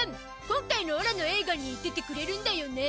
今回のオラの映画に出てくれるんだよね？